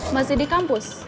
masih di kampus